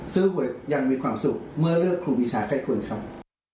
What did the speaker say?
หวยยังมีความสุขเมื่อเลือกครูปีชาไข้คุณครับ